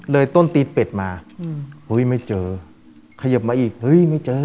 ต้นตีนเป็ดมาเฮ้ยไม่เจอขยิบมาอีกเฮ้ยไม่เจอ